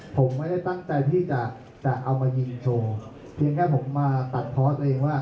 ผมไม่ได้ตั้งใจที่จะจะเอามายืนโชว์เพียงแค่ผมมาตัดพอสเองว่า